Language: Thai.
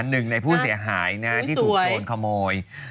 หนึ่งในผู้เสียหายนะที่ถูกโจรขโมย